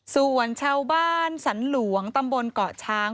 ส่วนชาวบ้านสรรหลวงตำบลเกาะช้าง